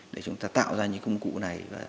để chúng ta tạo ra những công cụ này